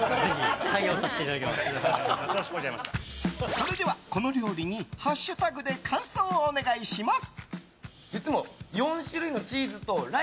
それでは、この料理にハッシュタグで感想お願いします。